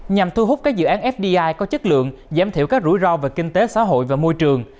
nhằm thu hút các dự án fdi có chất lượng giảm thiểu các rủi ro về kinh tế xã hội và môi trường